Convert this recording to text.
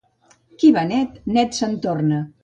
Qui va net, net se'n torna.